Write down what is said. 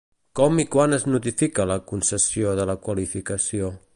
Com i quan es notifica la concessió de la qualificació?